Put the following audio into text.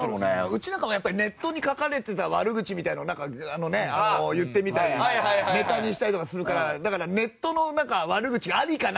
うちなんかはやっぱりネットに書かれてた悪口みたいなのを言ってみたりとかネタにしたりとかするからだから「ネットの悪口がアリかナイか」みたいな事で。